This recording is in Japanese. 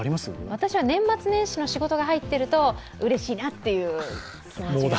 私は年末年始の仕事が入っているとうれしいなっていう気持ちが。